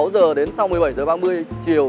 sáu giờ đến sau một mươi bảy h ba mươi chiều